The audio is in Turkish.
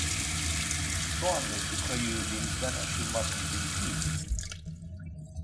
Şu anda şu kayığı denizden aşırmak mümkün müdür?